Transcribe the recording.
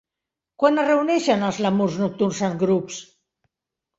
Quan es reuneixen els lèmurs nocturns en grups?